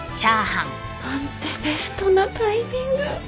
何てベストなタイミング。